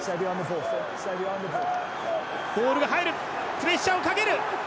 プレッシャーをかける。